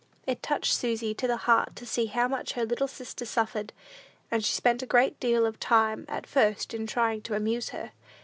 It touched Susy to the heart to see how much her little sister suffered, and she spent a great deal of time at first in trying to amuse her.